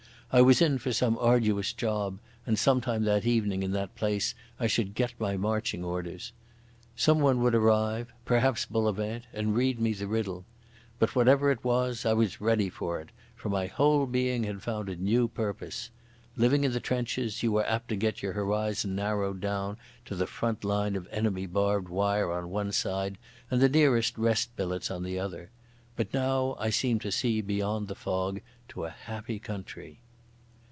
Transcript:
I was in for some arduous job, and sometime that evening in that place I should get my marching orders. Someone would arrive—perhaps Bullivant—and read me the riddle. But whatever it was, I was ready for it, for my whole being had found a new purpose. Living in the trenches, you are apt to get your horizon narrowed down to the front line of enemy barbed wire on one side and the nearest rest billets on the other. But now I seemed to see beyond the fog to a happy country.